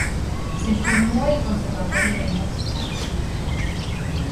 Se formó en el Conservatorio de Música de Cincinnati.